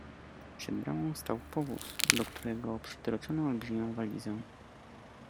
Przed bramą stał powóz, do którego przytroczono olbrzymią walizę.